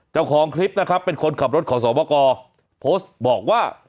เจ้าของคลิปนะครับเป็นคนขับรถของสวกรโพสต์บอกว่า